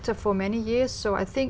trong năm tới